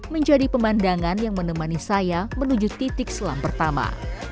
menjadi pemandangan yang menemani saya menuju titik selam pertama